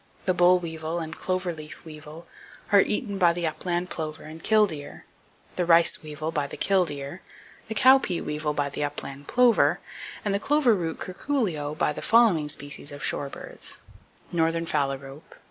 The boll weevil and clover leaf weevil are eaten by the upland plover and killdeer, the rice weevil by the killdeer, the cowpea weevil by the upland plover, and the clover root curculio by the following species of shorebirds: Northern phalarope (Lobipes lobatus).